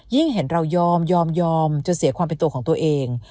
เห็นเรายอมยอมจะเสียความเป็นตัวของตัวเอง